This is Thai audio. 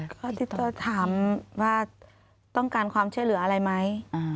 ก็ติดต่อถามว่าต้องการความช่วยเหลืออะไรไหม